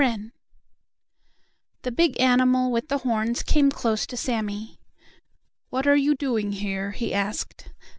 WREN The big animal with the horns came close to Sammie. "What are you doing here?" he asked.